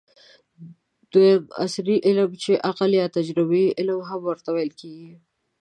دویم : عصري علم چې عقلي یا تجربوي علم هم ورته ويل کېږي